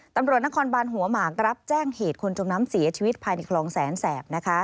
ตำรวจนครบานหัวหมากรับแจ้งเหตุคนจมน้ำเสียชีวิตภายในคลองแสนแสบ